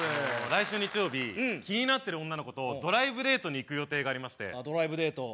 来週日曜日気になってる女の子とドライブデートに行く予定がありましてああドライブデート